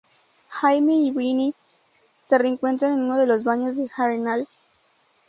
Jaime y Brienne se reencuentran en uno de los baños de Harrenhal.